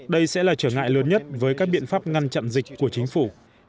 đây sẽ là trở ngại lớn nhất với các biện pháp ngăn chặn dịch của chính phủ